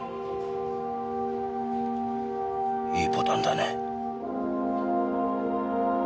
いいボタンだね。